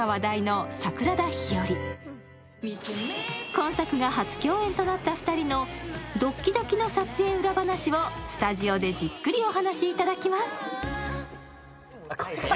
今作が初共演となった２人のドッキドキの撮影裏話をスタジオでじっくりお話しいただきます。